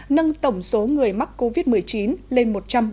nâng tổng số người mắc covid một mươi chín lên một trăm bảy mươi chín